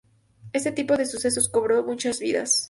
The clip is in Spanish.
Este tipo de sucesos cobró muchas vidas.